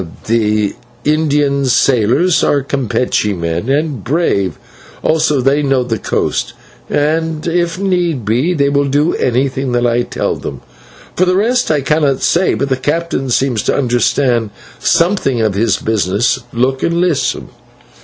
"The Indian sailors are Campeche men and brave, also they know the coast, and if need be they will do anything that I tell them. For the rest I cannot say, but the captain seems to understand something of his business. Look and listen!"